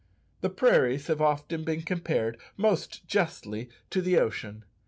The prairies have often been compared, most justly, to the ocean.